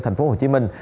thành phố hồ chí minh